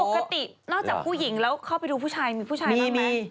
ปกตินอกจากผู้หญิงแล้วเข้าไปดูผู้ชายมีผู้ชายมี